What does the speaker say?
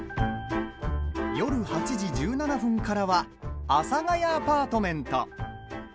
夜８時１７分からは「阿佐ヶ谷アパートメント」。